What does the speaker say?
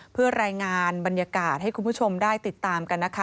เพื่อรายงานบรรยากาศให้คุณผู้ชมได้ติดตามกันนะคะ